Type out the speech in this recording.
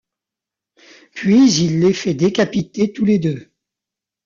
Puis il les fait décapiter tous les deux.